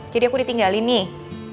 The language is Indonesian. jadi aku ditinggalin nih